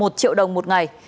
một triệu đồng một ngày